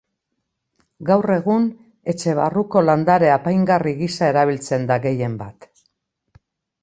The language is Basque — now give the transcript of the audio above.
Gaur egun, etxe barruko landare apaingarri gisa erabiltzen da gehienbat.